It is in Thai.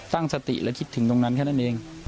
ตั้งสติและคิดถึงตรงนั้นแค่นั้นเอง